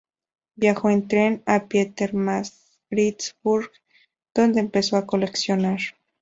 Viajó en tren a Pietermaritzburg, donde empezó a coleccionar.